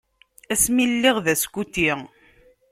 Ass mi lliɣ d askuti.